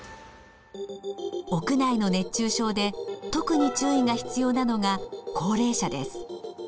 屋内の熱中症で特に注意が必要なのが高齢者です。